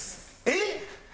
えっ！